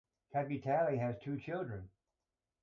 Tabuatalei has two children.